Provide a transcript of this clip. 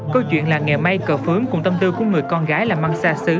câu chuyện là nghề may cờ phướng cùng tâm tư của người con gái làm măng xa xứ